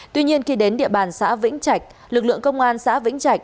tuy nhiên khi đến địa bàn xã vĩnh trạch lực lượng công an xã vĩnh trạch